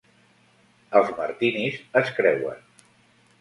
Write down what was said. Els Martinis es creuen.